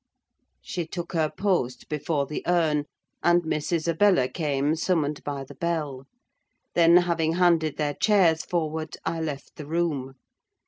She took her post before the urn; and Miss Isabella came, summoned by the bell; then, having handed their chairs forward, I left the room.